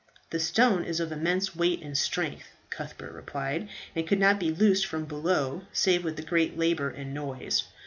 "The stone is of immense weight and strength," Cuthbert replied, "and could not be loosed from below save with great labour and noise.